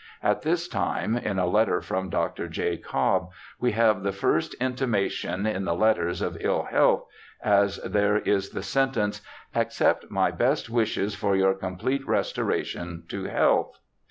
At this time, in a letter from ELISHA BARTLETT 125 Dr. J. Cobb, we have the first intimation in the letters of ill health, as there is the sentence :* Accept my best wishes for your complete restoration to health.'